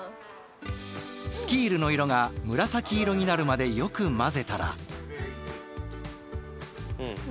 スキールの色が紫色になるまでよく混ぜたら。